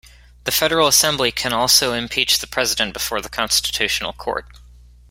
The Federal Assembly can also impeach the president before the Constitutional Court.